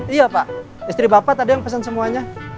iya pak istri bapak tadi yang pesan semuanya